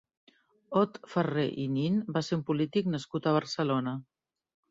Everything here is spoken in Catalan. Ot Ferrer i Nin va ser un polític nascut a Barcelona.